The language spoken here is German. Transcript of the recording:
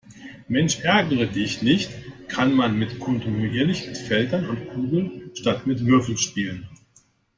Mensch-ärgere-dich-nicht kann man mit kontinuierlichen Feldern und Kugeln statt Würfeln spielen.